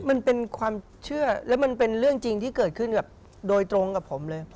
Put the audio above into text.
มันเป็นความเชื่อแล้วมันเป็นเรื่องจริงที่เกิดขึ้นกับโดยตรงกับผมเลย